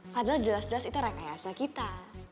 padahal jelas jelas itu rekayasa kita